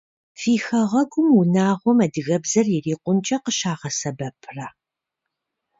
Фи хэгъуэгум унагъуэм адыгэбзэр ирикъункӏэ къыщагъэсэбэпрэ?